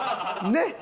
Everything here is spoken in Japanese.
ねっ！